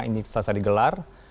ini selesai digelar